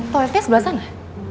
toiletnya sebelah sana